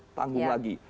tidak ditanggung lagi